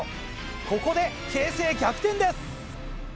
ここで形勢逆転です。